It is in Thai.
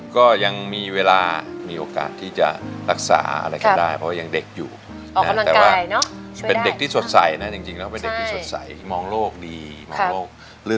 ก็ยังมีเวลามีโอกาสที่จะรักษาอะไรก็ได้เพราะว่ายังเด็กอยู่นะ